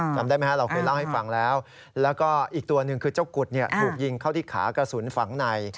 จำได้ไหมครับเราเคยเล่าให้ฟังแล้วแล้วก็อีกตัวหนึ่งคือเจ้ากุฎถูกยิงเข้าที่ขากระสุนฝังใน